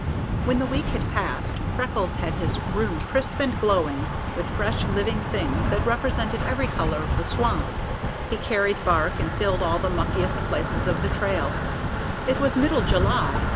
When the week had passed, Freckles had his room crisp and glowing with fresh living things that represented every color of the swamp. He carried bark and filled all the muckiest places of the trail. It was middle July.